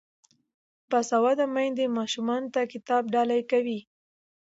باسواده میندې ماشومانو ته کتاب ډالۍ کوي.